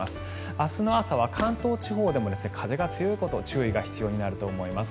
明日の朝は関東地方でも風が強いことに注意が必要になると思います。